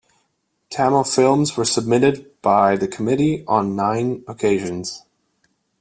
Tamil films were submitted by the committee on nine occasions.